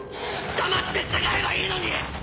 黙って従えばいいのに！